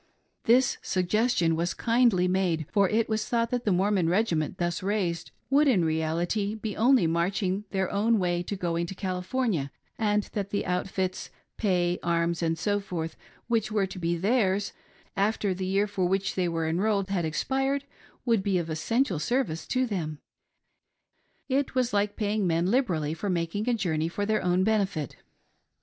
This suggestion was kindly made, for it was thought that the Mormon regi ment thus raised would in reality be only marching their own , way in going to California, and that the outfits, pay, arms, &e., which were to be theirs, after the year for which they were enrolled had expired, would be of essential service to thefii. It was like paying men liberally for making a journey for their own benefit.